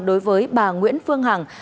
đối với bà nguyễn phương hằng